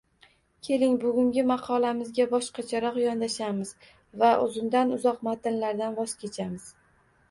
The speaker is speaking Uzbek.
Keling, bugungi maqolamizga boshqacharoq yondashamiz va uzundan-uzoq matnlardan voz kechamiz.